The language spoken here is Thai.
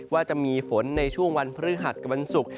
ว่าจะมีฝนในช่วงวันพฤหัสกับวันศุกร์